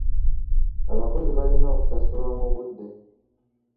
Abakozi balina okusasulwa mu budde.